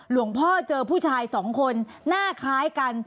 พ่อเจอผู้ชายสองคนหน้าคล้ายกัน